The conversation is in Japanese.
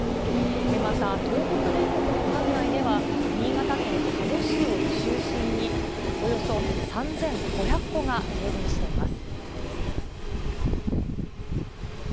また東北電力の管内では、新潟県佐渡市を中心に、およそ３５００戸が停電しています。